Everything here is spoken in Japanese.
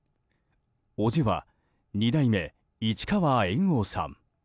伯父は二代目市川猿翁さん